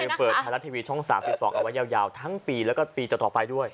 เปิดไทยรัฐทีวีช่อง๓๒เอาไว้ยาวทั้งปีแล้วก็ปีต่อไปด้วย